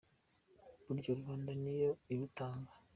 Burya Rubanda niyo ibutanga